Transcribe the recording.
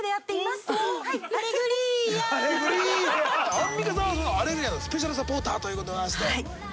アンミカさんは『アレグリア』のスペシャルサポーターということでございまして。